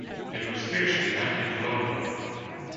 It was fiercely anti-colonial.